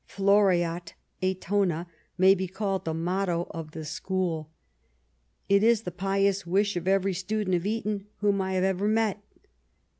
" Floreat Etona " may be called the motto of the school. It is the pious wish of every stu dent of Eton whom I have ever met.